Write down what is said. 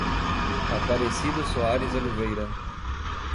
Aparecido Soares Oliveira